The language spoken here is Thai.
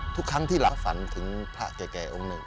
ทุกครั้งที่เราฝันถึงพระแก่องค์หนึ่ง